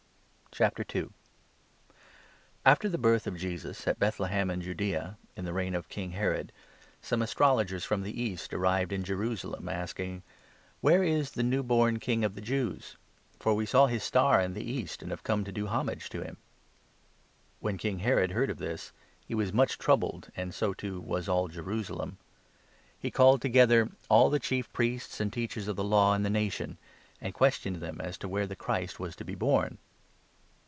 The visit After the birth of Jesus at Bethlehem in Judaea, i of the in the reign of King Herod, some Astrologers Astrologers. frOm the East arrived in Jerusalem, asking : 2 "Where is the new born King of the Jews ? for we saw his star in the east, and have come to do homage to him." When King Herod heard of this, he was much troubled, and 3 so, too, was all Jerusalem. He called together all the Chief 4 Priests and Teachers of the Law in the nation, and questioned them as to where the Christ was to be born.